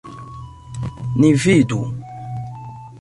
Ni vidu!